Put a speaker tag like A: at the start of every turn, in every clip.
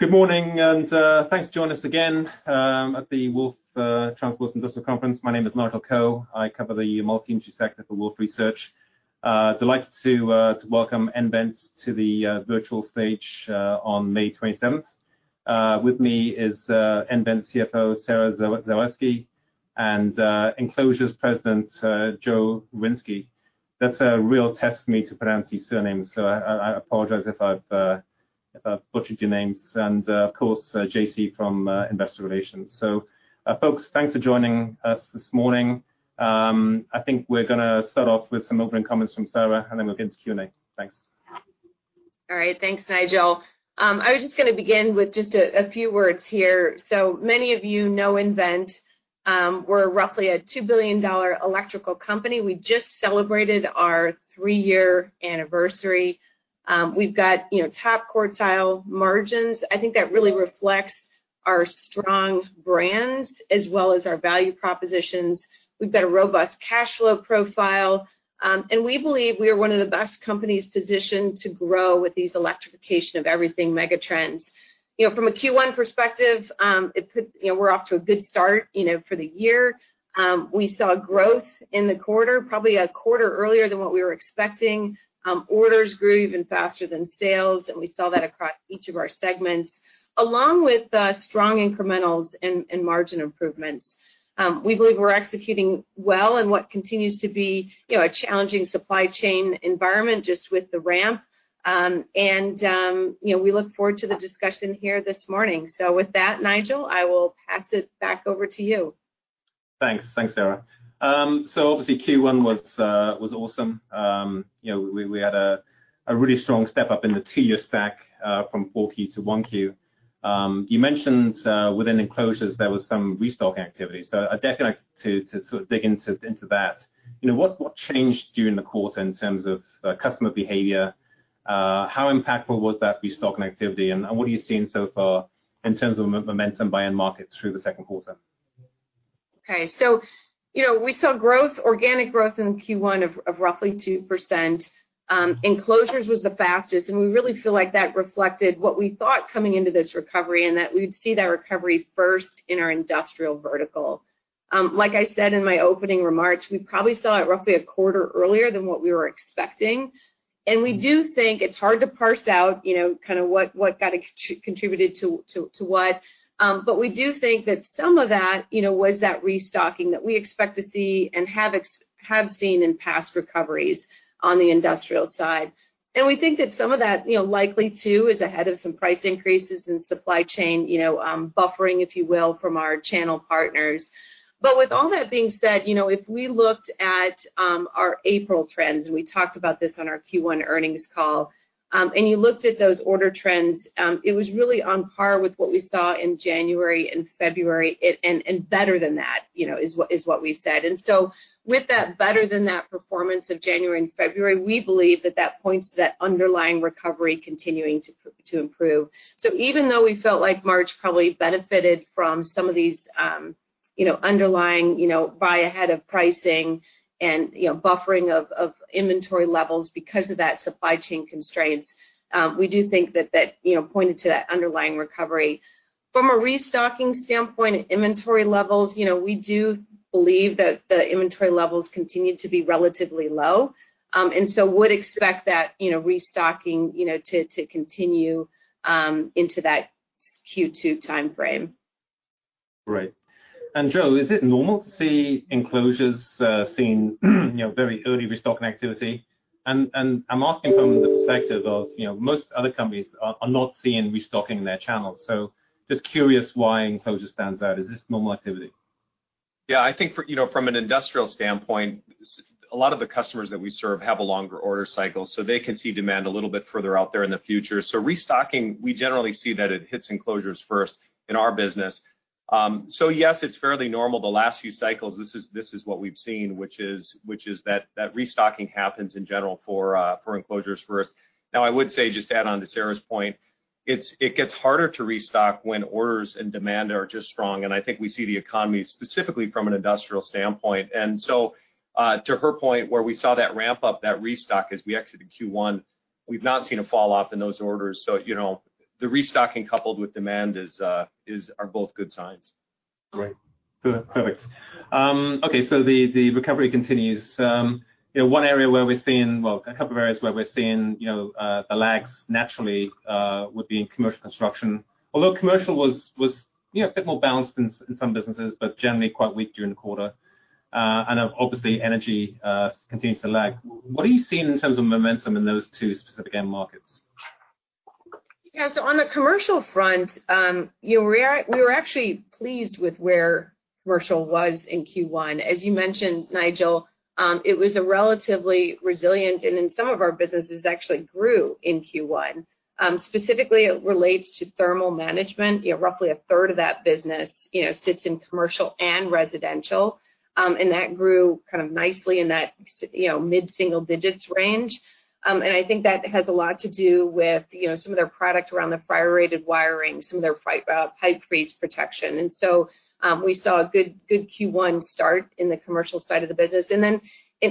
A: Good morning, and thanks for joining us again at the Wolfe Global Transportation and Industrials Conference. My name is Nigel Coe. I cover the multi-industry sector for Wolfe Research. Delighted to welcome nVent to the virtual stage on May 27th. With me is nVent CFO, Sara Zawoyski, and Enclosures President, Joe Ruzynski. That's a real test for me to pronounce these surnames, so I apologize if I've butchered your names. Of course, J.C. from Investor Relations. Folks, thanks for joining us this morning. I think we're going to start off with some opening comments from Sara, and then we'll get into Q&A. Thanks.
B: All right. Thanks, Nigel. I'm just going to begin with just a few words here. Many of you know nVent. We're roughly a $2 billion electrical company. We just celebrated our three-year anniversary. We've got top quartile margins. I think that really reflects our strong brands as well as our value propositions. We've got robust cash flow profile. We believe we're one of the best companies positioned to grow with these electrification of everything megatrends. From a Q1 perspective, we're off to a good start for the year. We saw growth in the quarter, probably a quarter earlier than what we were expecting. Orders grew even faster than sales, and we saw that across each of our segments, along with strong incrementals and margin improvements. We believe we're executing well in what continues to be a challenging supply chain environment just with the ramp. We look forward to the discussion here this morning. With that, Nigel, I will pass it back over to you.
A: Thanks. Thanks, Sara. Obviously Q1 was awesome. We had a really strong step up in the two-year stack from 4Q to 1Q. You mentioned within Enclosures there was some restocking activity. I'd like to dig into that. What changed during the quarter in terms of customer behavior? How impactful was that restocking activity, and what are you seeing so far in terms of momentum buying markets through the second quarter?
B: We saw organic growth in Q1 of roughly 2%. Enclosures was the fastest, and we really feel like that reflected what we thought coming into this recovery, and that we'd see that recovery first in our industrial vertical. Like I said in my opening remarks, we probably saw it roughly a quarter earlier than what we were expecting, and we do think it's hard to parse out what that contributed to what. We do think that some of that was that restocking that we expect to see and have seen in past recoveries on the industrial side. We think that some of that likely too is ahead of some price increases in supply chain buffering, if you will, from our channel partners. With all that being said, if we looked at our April trends, and we talked about this on our Q1 earnings call, and you looked at those order trends, it was really on par with what we saw in January and February, and better than that, is what we said. With that better than that performance of January and February, we believe that that points to that underlying recovery continuing to improve. Even though we felt like March probably benefited from some of these underlying buy ahead of pricing and buffering of inventory levels because of that supply chain constraints, we do think that that pointed to that underlying recovery. From a restocking standpoint, inventory levels, we do believe that the inventory levels continue to be relatively low. We'd expect that restocking to continue into that Q2 timeframe.
A: Great. Joe, is it normal to see Enclosures seeing very early restocking activity? I'm asking from the perspective of most other companies are not seeing restocking in their channels. Just curious why Enclosures stands out. Is this normal activity?
C: I think from an industrial standpoint, a lot of the customers that we serve have a longer order cycle, so they can see demand a little bit further out there in the future. Restocking, we generally see that it hits Enclosures first in our business. Yes, it's fairly normal. The last few cycles, this is what we've seen, which is that restocking happens in general for Enclosures first. I would say just to add on to Sara's point, it gets harder to restock when orders and demand are just strong, and I think we see the economy specifically from an industrial standpoint. To her point where we saw that ramp up, that restock as we actually did Q1, we've not seen a fall off in those orders. The restocking coupled with demand are both good signs.
A: Great. Perfect. Okay. The recovery continues. One area where we're seeing, well, a couple areas where we're seeing the lags naturally would be in commercial construction. Commercial was a bit more balanced in some businesses, but generally quite weak during the quarter. Obviously energy continues to lag. What are you seeing in terms of momentum in those two specific end markets?
B: Yeah. On the commercial front, we were actually pleased with where commercial was in Q1. As you mentioned, Nigel, it was a relatively resilient, and in some of our businesses actually grew in Q1. Specifically, it relates to thermal management. Roughly a third of that business sits in commercial and residential, that grew kind of nicely in that mid-single digits range. I think that has a lot to do with some of their product around the fire-rated wiring, some of their pipe freeze protection. We saw a good Q1 start in the commercial side of the business. In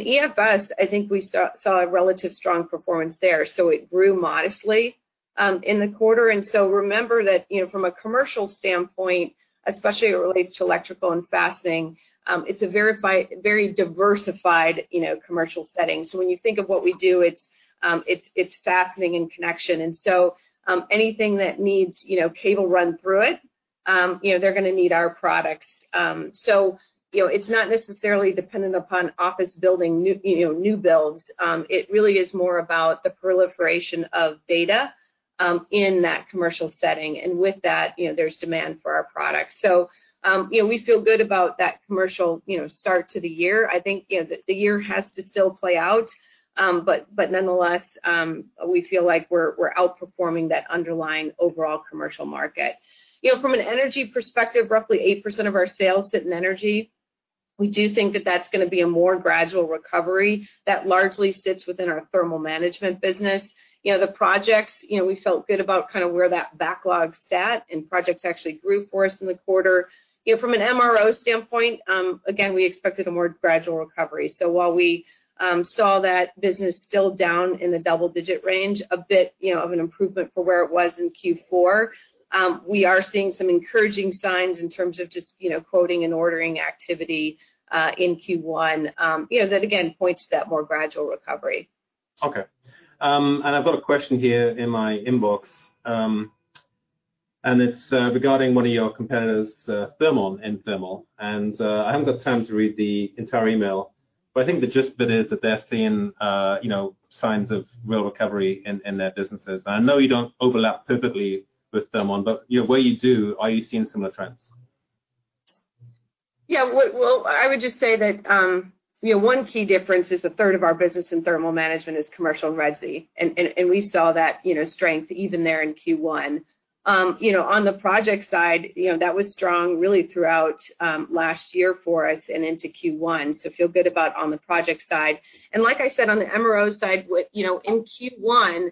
B: EFS, I think we saw a relatively strong performance there. It grew nicely in the quarter. Remember that from a commercial standpoint, especially as it relates to electrical and fastening, it's a very diversified commercial setting. When you think of what we do, it's fastening and connection. Anything that needs cable run through it, they're going to need our products. It's not necessarily dependent upon office building, new builds. It really is more about the proliferation of data in that commercial setting. With that, there's demand for our product. We feel good about that commercial start to the year. I think, the year has to still play out. Nonetheless, we feel like we're outperforming that underlying overall commercial market. From an energy perspective, roughly 8% of our sales sit in energy. We do think that that's going to be a more gradual recovery that largely sits within our thermal management business. The projects, we felt good about where that backlog sat, and projects actually grew for us in the quarter. From an MRO standpoint, again, we expected a more gradual recovery. While we saw that business still down in the double-digit range a bit, of an improvement from where it was in Q4. We are seeing some encouraging signs in terms of just quoting and ordering activity, in Q1. That again, points to that more gradual recovery.
A: Okay. I've got a question here in my inbox, and it's regarding one of your competitors, Thermon, in thermal. I haven't got time to read the entire email, but I think the gist of it is that they're seeing signs of real recovery in their businesses. I know you don't overlap perfectly with Thermon, but where you do, are you seeing similar trends?
B: Yeah. Well, I would just say that one key difference is a third of our business in thermal management is commercial resi. We saw that strength even there in Q1. On the project side, that was strong really throughout last year for us and into Q1. I feel good about on the project side. Like I said, on the MRO side, in Q1,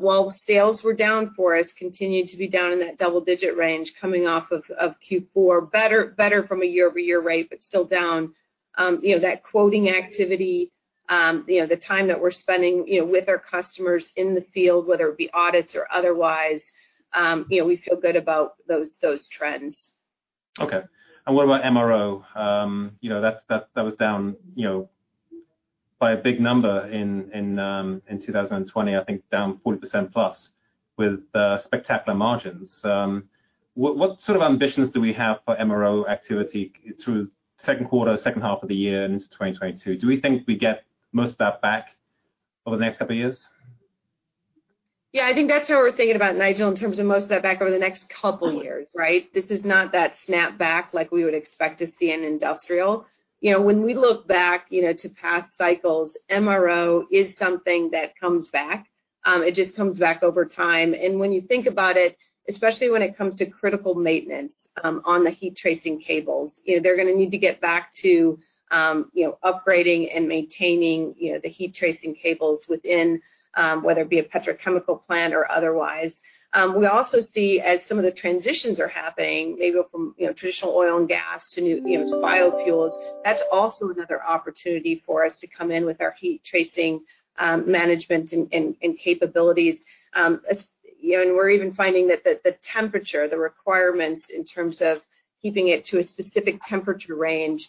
B: while sales were down for us, continued to be down in that double-digit range coming off of Q4. Better from a year-over-year rate, but still down. That quoting activity, the time that we're spending with our customers in the field, whether it be audits or otherwise, we feel good about those trends.
A: Okay. What about MRO? That was down by a big number in 2020, I think down 40%+ with spectacular margins. What sort of ambitions do we have for MRO activity through second quarter, second half of the year into 2022? Do we think we get most of that back over the next couple of years?
B: Yeah, I think that's how we're thinking about it, Nigel, in terms of most of that back over the next couple of years, right? This is not that snapback like we would expect to see in industrial. When we look back to past cycles, MRO is something that comes back. It just comes back over time. When you think about it, especially when it comes to critical maintenance on the heat tracing cables, they're going to need to get back to upgrading and maintaining the heat tracing cables within whether it be a petrochemical plant or otherwise. We also see as some of the transitions are happening, they go from traditional oil and gas to biofuels. That's also another opportunity for us to come in with our heat tracing management and capabilities. We're even finding that the temperature, the requirements in terms of keeping it to a specific temperature range,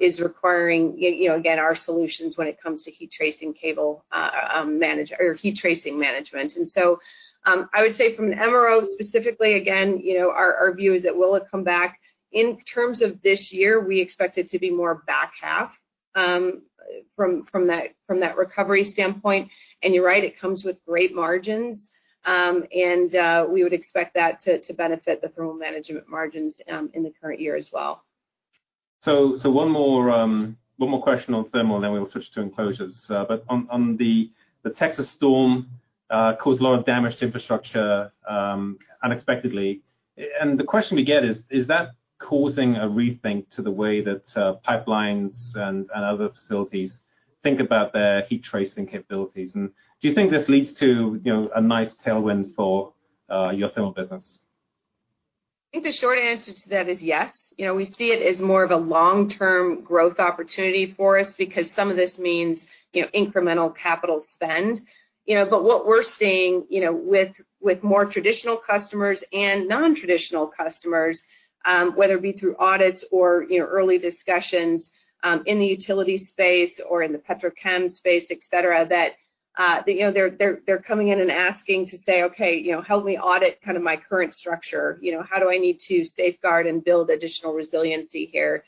B: is requiring, again, our solutions when it comes to heat tracing management. So, I would say from an MRO specifically, again, our view is it will come back. In terms of this year, we expect it to be more back half, from that recovery standpoint. You're right, it comes with great margins. We would expect that to benefit the thermal management margins in the current year as well.
A: One more question on thermal, then we'll switch to enclosures. On the Texas storm caused a lot of damage to infrastructure unexpectedly. The question we get is: Is that causing a rethink to the way that pipelines and other facilities think about their heat tracing capabilities, and do you think this leads to a nice tailwind for your thermal business?
B: I think the short answer to that is yes. We see it as more of a long-term growth opportunity for us because some of this means incremental capital spend. What we're seeing with more traditional customers and nontraditional customers, whether it be through audits or early discussions, in the utility space or in the petrochem space, et cetera, that they're coming in and asking to say, "Okay, help me audit my current structure." How do I need to safeguard and build additional resiliency here?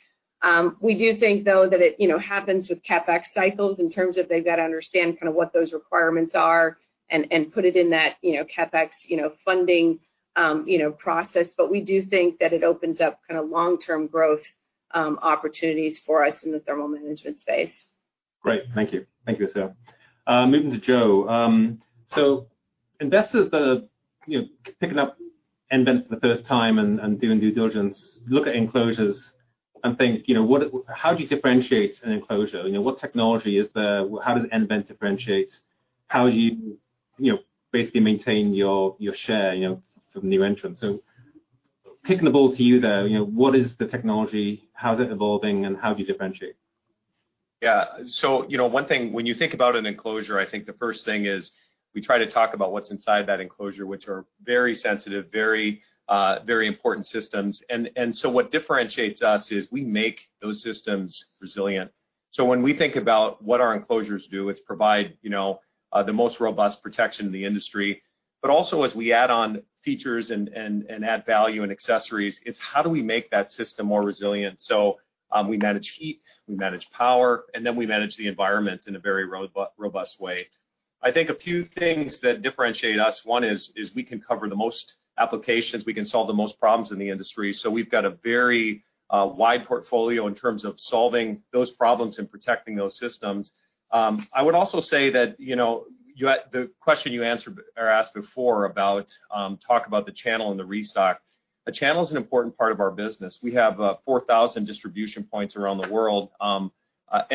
B: We do think, though, that it happens with CapEx cycles in terms of they've got to understand what those requirements are and put it in that CapEx funding process. We do think that it opens up long-term growth opportunities for us in the thermal management space.
A: Great. Thank you. Thank you, Sara. Moving to Joe. Investors are picking up nVent for the first time and doing due diligence, look at enclosures and think how do you differentiate an enclosure? What technology is there? How does nVent differentiate? How do you basically maintain your share from new entrants? Kicking the ball to you there, what is the technology? How's it evolving, and how do you differentiate?
C: One thing, when you think about an enclosure, I think the first thing is we try to talk about what's inside that enclosure, which are very sensitive, very important systems. What differentiates us is we make those systems resilient. When we think about what our enclosures do, it's provide the most robust protection in the industry. Also, as we add on features and add value and accessories, it's how do we make that system more resilient? We manage heat, we manage power, and we manage the environment in a very robust way. I think a few things that differentiate us, one is we can cover the most applications, we can solve the most problems in the industry. We've got a very wide portfolio in terms of solving those problems and protecting those systems. I would also say that the question you asked before about the channel and the restock. The channel is an important part of our business. We have 4,000 distribution points around the world, and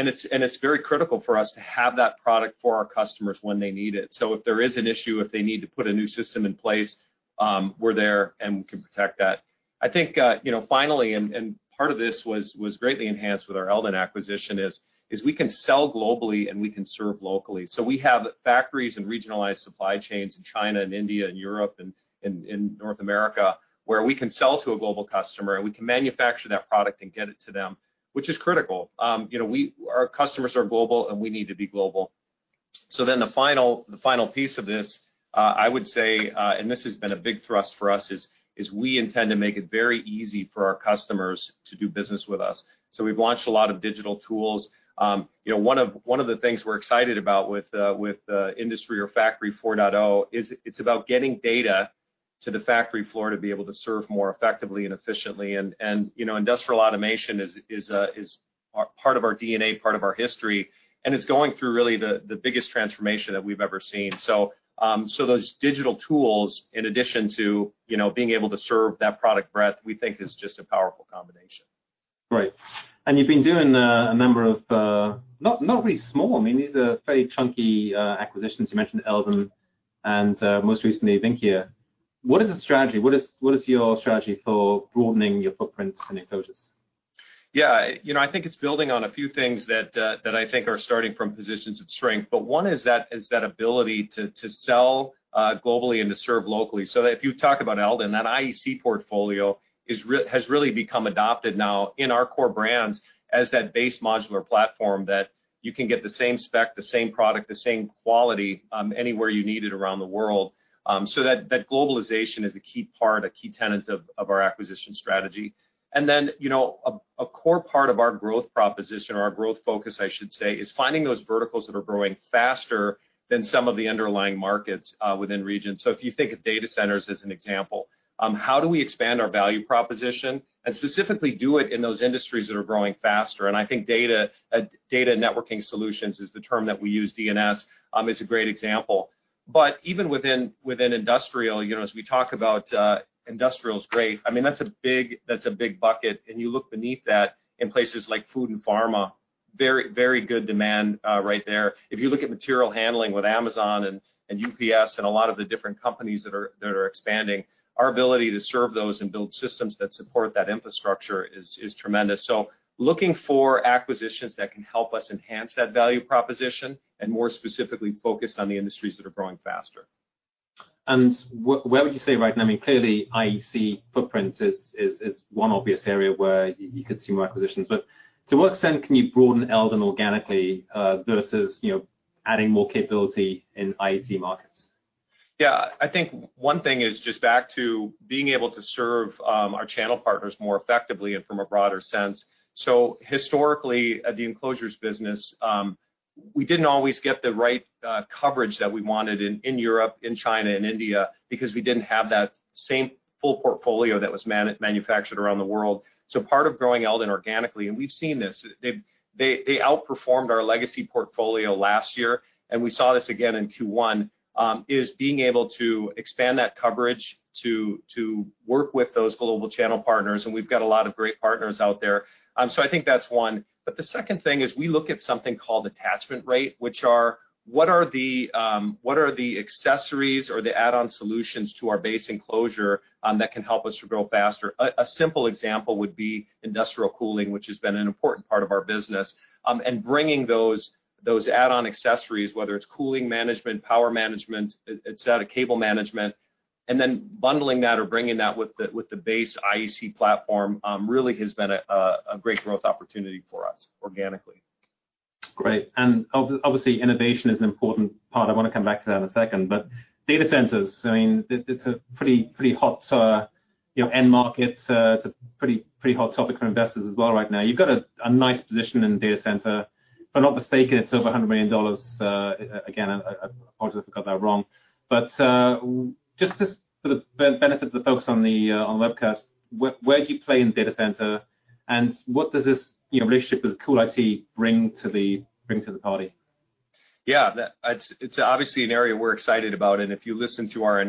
C: it's very critical for us to have that product for our customers when they need it. If there is an issue, if they need to put a new system in place, we're there, and we can protect that. I think, finally, and part of this was greatly enhanced with our Eldon acquisition is, we can sell globally and we can serve locally. We have factories and regionalized supply chains in China and India and Europe and North America where we can sell to a global customer and we can manufacture that product and get it to them, which is critical. Our customers are global, and we need to be global. The final piece of this, I would say, and this has been a big thrust for us is we intend to make it very easy for our customers to do business with us. We've launched a lot of digital tools. One of the things we're excited about with Industry 4.0 or Factory 4.0 is it's about getting data to the factory floor to be able to serve more effectively and efficiently. Industrial automation is part of our DNA, part of our history, and it's going through really the biggest transformation that we've ever seen. Those digital tools, in addition to being able to serve that product breadth, we think is just a powerful combination.
A: Right. You've been doing a number of not really small, these are fairly chunky acquisitions. You mentioned Eldon and most recently, Vynckier. What is the strategy? What is your strategy for broadening your footprint in enclosures?
C: I think it's building on a few things that I think are starting from positions of strength. One is that ability to sell globally and to serve locally. If you talk about Eldon, that IEC portfolio has really become adopted now in our core brands as that base modular platform that you can get the same spec, the same product, the same quality, anywhere you need it around the world. That globalization is a key part, a key tenet of our acquisition strategy. A core part of our growth proposition, or our growth focus, I should say, is finding those verticals that are growing faster than some of the underlying markets within regions. If you think of data centers as an example, how do we expand our value proposition and specifically do it in those industries that are growing faster? I think Data Network Solutions is the term that we use, DNS, is a great example. Even within industrial, as we talk about industrial is great. That's a big bucket. You look beneath that in places like food and pharma, very good demand right there. If you look at material handling with Amazon and UPS and a lot of the different companies that are expanding, our ability to serve those and build systems that support that infrastructure is tremendous. Looking for acquisitions that can help us enhance that value proposition and more specifically focus on the industries that are growing faster.
A: What would you say right now? Clearly, IEC footprint is one obvious area where you could see more acquisitions. To what extent can you broaden Eldon organically versus adding more capability in IEC markets?
C: Yeah. I think one thing is just back to being able to serve our channel partners more effectively and from a broader sense. Historically, the enclosures business, we didn't always get the right coverage that we wanted in Europe, in China, and India because we didn't have that same full portfolio that was manufactured around the world. Part of growing Eldon organically, and we've seen this, they outperformed our legacy portfolio last year, and we saw this again in Q1, is being able to expand that coverage to work with those global channel partners, and we've got a lot of great partners out there. I think that's one. The second thing is we look at something called attachment rate, which are what are the accessories or the add-on solutions to our base enclosure that can help us grow faster? A simple example would be industrial cooling, which has been an important part of our business. Bringing those add-on accessories, whether it's cooling management, power management, et cetera, cable management, and then bundling that or bringing that with the base IEC platform, really has been a great growth opportunity for us organically.
A: Great. Obviously, innovation is an important part. I want to come back to that in a second. Data centers, it's a pretty hot end market. It's a pretty hot topic for investors as well right now. You've got a nice position in data center, if I'm not mistaken, it's over $100 million. Again, I apologize if I got that wrong. Just for the benefit of the folks on the webcast, where do you play in data center, and what does this relationship with CoolIT bring to the party?
C: It's obviously an area we're excited about, and if you listen to our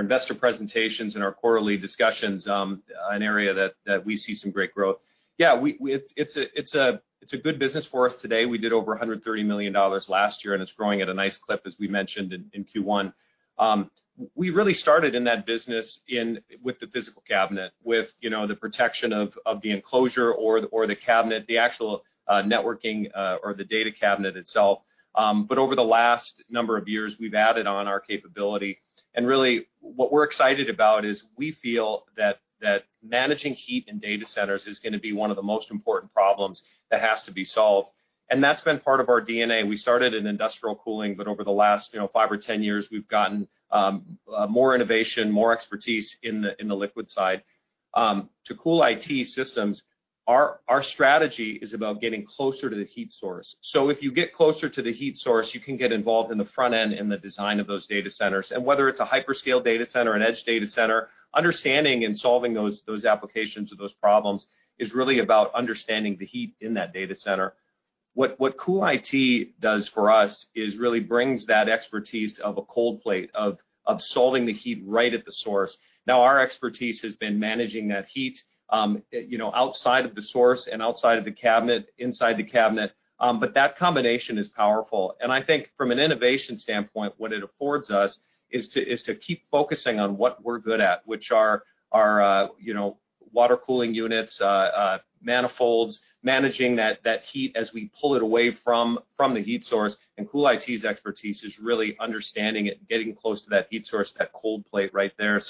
C: investor presentations and our quarterly discussions, an area that we see some great growth. It's a good business for us today. We did over $130 million last year, and it's growing at a nice clip, as we mentioned in Q1. We really started in that business with the physical cabinet, with the protection of the enclosure or the cabinet, the actual networking, or the data cabinet itself. Over the last number of years, we've added on our capability, and really what we're excited about is we feel that managing heat in data centers is going to be one of the most important problems that has to be solved. That's been part of our DNA. We started in industrial cooling, over the last five or 10 years, we've gotten more innovation, more expertise in the liquid side. To CoolIT Systems, our strategy is about getting closer to the heat source. If you get closer to the heat source, you can get involved in the front end in the design of those data centers. Whether it's a hyperscale data center, an edge data center, understanding and solving those applications or those problems is really about understanding the heat in that data center. What CoolIT does for us is really brings that expertise of a cold plate, of solving the heat right at the source. Now, our expertise has been managing that heat outside of the source and outside of the cabinet, inside the cabinet. That combination is powerful, and I think from an innovation standpoint, what it affords us is to keep focusing on what we're good at, which are water cooling units, manifolds, managing that heat as we pull it away from the heat source, and CoolIT's expertise is really understanding it, getting close to that heat source, that cold plate right there.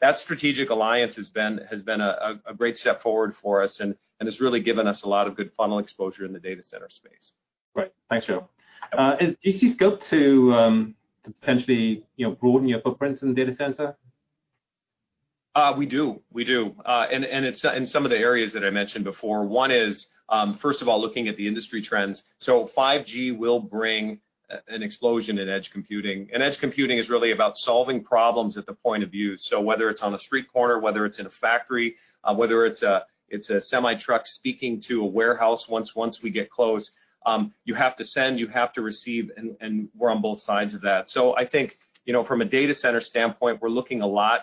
C: That strategic alliance has been a great step forward for us and has really given us a lot of good funnel exposure in the data center space.
A: Right. Thanks, Joe. Is this scope to potentially broadening your footprints in the data center?
C: We do. In some of the areas that I mentioned before. One is, first of all, looking at the industry trends. 5G will bring an explosion in edge computing, and edge computing is really about solving problems at the point of view. Whether it's on a street corner, whether it's in a factory, whether it's a semi-truck speaking to a warehouse once we get close. You have to send, you have to receive, and we're on both sides of that. I think, from a data center standpoint, we're looking a lot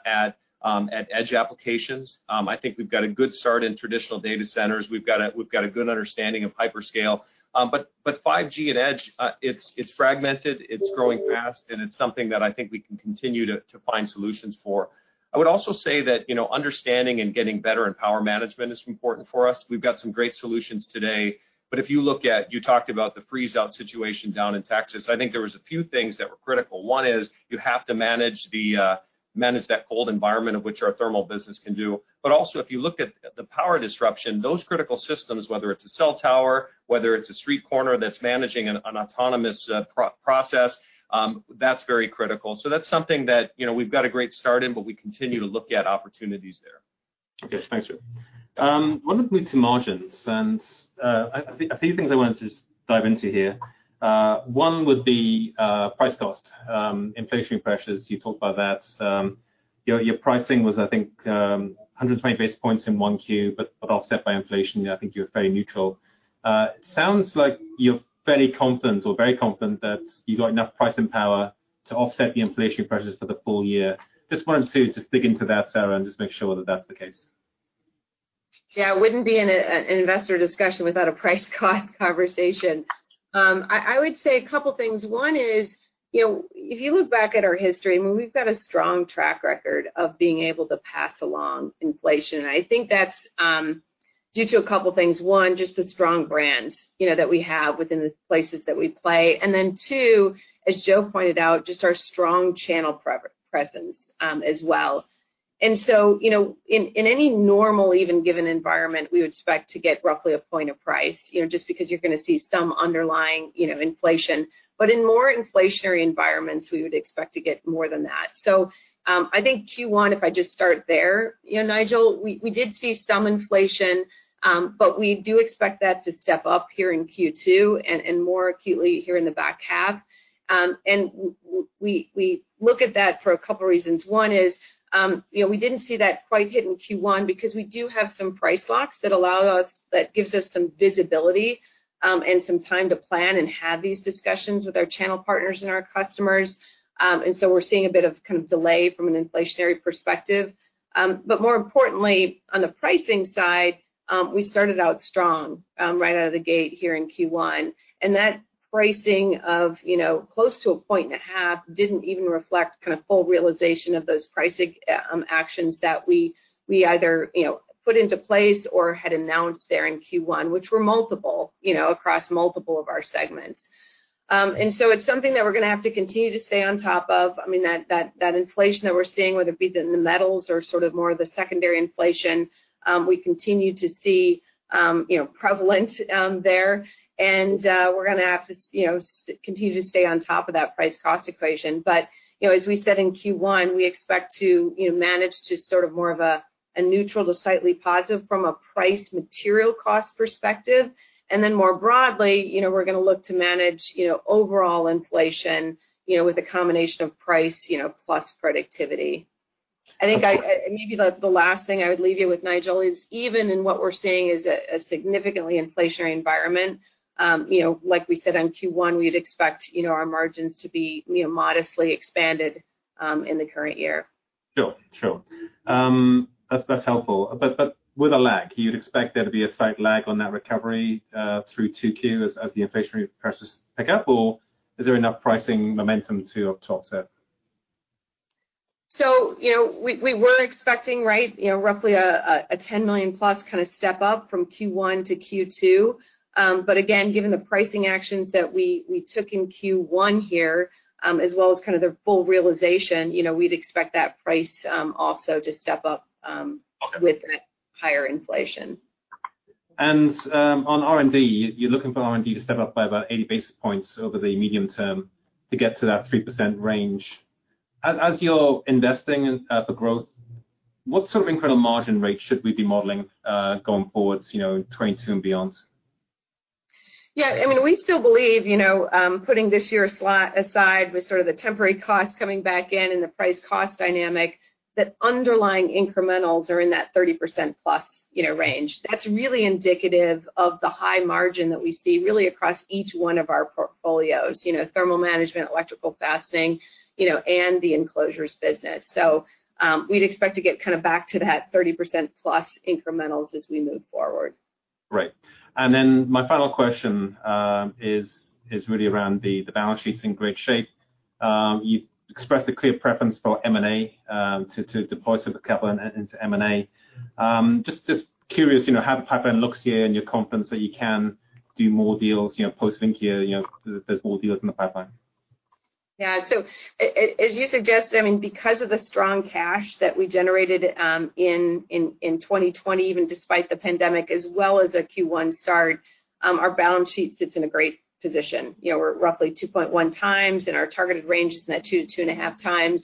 C: at edge applications. I think we've got a good start in traditional data centers. We've got a good understanding of hyperscale. 5G and edge, it's fragmented, it's growing fast, and it's something that I think we can continue to find solutions for. I would also say that understanding and getting better at power management is important for us. We've got some great solutions today. You talked about the freeze-out situation down in Texas. I think there were a few things that were critical. One is you have to manage that cold environment, which our thermal business can do. Also, if you look at the power disruption, those critical systems, whether it's a cell tower, whether it's a street corner that's managing an autonomous process, that's very critical. That's something that we've got a great start in, but we continue to look at opportunities there.
A: Okay, thanks, Joe. I want to move to margins, and a few things I wanted to dive into here. One would be price cost, inflation pressures. You talked about that. Your pricing was, I think, 120 basis points in 1Q, but offset by inflation. I think you're fairly neutral. Sounds like you're fairly confident or very confident that you've got enough pricing power to offset the inflation pressures for the full year. Just wanted to dig into that, Sara, and just make sure that that's the case.
B: It wouldn't be an investor discussion without a price cost conversation. I would say a couple things. One is, if you look back at our history, I mean, we've got a strong track record of being able to pass along inflation. I think that's due to a couple things. One, just the strong brands that we have within the places that we play. Two, as Joe pointed out, just our strong channel presence as well. In any normal, even given environment, we would expect to get roughly one point of price, just because you're going to see some underlying inflation. In more inflationary environments, we would expect to get more than that. I think Q1, if I just start there, Nigel, we did see some inflation, but we do expect that to step up here in Q2 and more acutely here in the back half. We look at that for a couple reasons. One is we didn't see that quite hit in Q1 because we do have some price locks that gives us some visibility and some time to plan and have these discussions with our channel partners and our customers. We're seeing a bit of delay from an inflationary perspective. More importantly, on the pricing side, we started out strong right out of the gate here in Q1. That pricing of close to a point and a half didn't even reflect full realization of those pricing actions that we either put into place or had announced there in Q1, which were multiple, across multiple of our segments. So it's something that we're going to have to continue to stay on top of. I mean, that inflation that we're seeing, whether it be in the metals or sort of more of the secondary inflation, we continue to see prevalent there, and we're going to have to continue to stay on top of that price-cost equation. As we said in Q1, we expect to manage to sort of more of a neutral to slightly positive from a price material cost perspective. Then more broadly, we're going to look to manage overall inflation, with a combination of price plus productivity. I think the last thing I would leave you with, Nigel, is even in what we're seeing is a significantly inflationary environment. Like we said in Q1, we'd expect our margins to be modestly expanded in the current year.
A: Sure. That's helpful. With a lag, you'd expect there to be a slight lag on that recovery through 2Q as the inflationary pressures pick up, or is there enough pricing momentum to offset?
B: We were expecting roughly a $10 million plus kind of step-up from Q1 to Q2. Again, given the pricing actions that we took in Q1 here, as well as kind of the full realization, we'd expect that price also to step up with higher inflation.
A: On R&D, you're looking for R&D to step up by about 80 basis points over the medium term to get to that 3% range. As you're investing at the growth, what sort of incremental margin rate should we be modeling going forward 2022 and beyond?
B: We still believe, putting this year aside with sort of the temporary costs coming back in and the price-cost dynamic, that underlying incrementals are in that 30%+ range. That's really indicative of the high margin that we see really across each one of our portfolios, thermal management, electrical fastening, and the enclosures business. We'd expect to get kind of back to that 30%+ incrementals as we move forward.
A: Right. My final question is really around the balance sheet's in great shape. You've expressed a clear preference for M&A, to deploy surplus capital into M&A. Just curious, how the pipeline looks here and your confidence that you can do more deals, posting here, there's more deals in the pipeline.
B: Yeah. As you suggest, because of the strong cash that we generated in 2020, even despite the pandemic as well as a Q1 start, our balance sheet sits in a great position. We're at roughly 2.1x, and our target range is at 2.5x.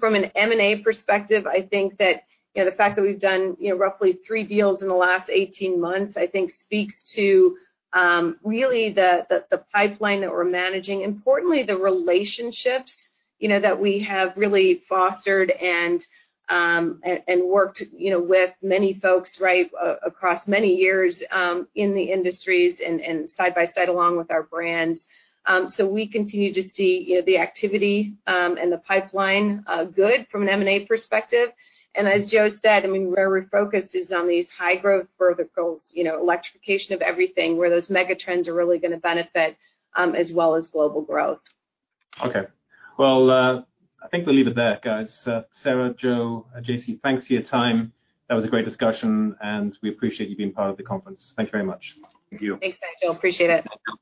B: From an M&A perspective, I think that the fact that we've done roughly three deals in the last 18 months, I think speaks to really the pipeline that we're managing, importantly, the relationships that we have really fostered and worked with many folks right across many years, in the industries and side by side along with our brands. We continue to see the activity, and the pipeline good from an M&A perspective. As Joe said, where we're focused is on these high growth verticals, electrification of everything, where those mega trends are really going to benefit, as well as global growth.
A: Okay. Well, I think we'll leave it there, guys. Sara, Joe, and J.C., thanks for your time. That was a great discussion, and we appreciate you being part of the conference. Thank you very much.
C: Thank you.
B: Thanks, guys. Appreciate it.